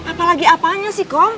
apa lagi apanya sih kom